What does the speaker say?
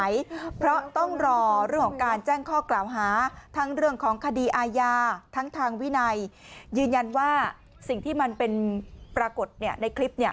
ยืนยันว่าสิ่งที่มันเป็นปรากฏในคลิป